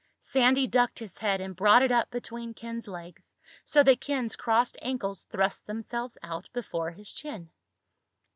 Sandy ducked his head and brought it up between Ken's legs, so that Ken's crossed ankles thrust themselves out before his chin.